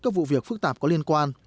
các vụ việc phức tạp có liên quan